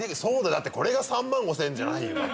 だってこれが３万５０００円じゃないよ。